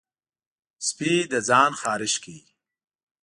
سپي د ځان خارش کوي.